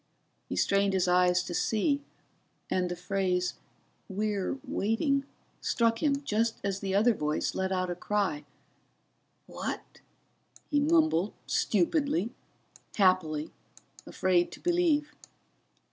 He strained his eyes to see, and the phrase we're waiting struck him just as the other voice let out a cry. "What ?" he mumbled, stupidly, happily, afraid to believe.